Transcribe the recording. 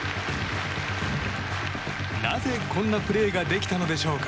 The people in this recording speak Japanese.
なぜ、こんなプレーができたのでしょうか？